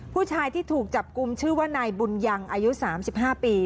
ผู้ชายที่ถูกจับกลุ่มชื่อว่านายบุญยังอายุ๓๕ปี